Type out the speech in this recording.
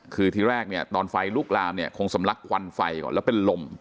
คือทีแรกเนี่ยตอนไฟลุกลามเนี่ยคงสำลักควันไฟก่อนแล้วเป็นลม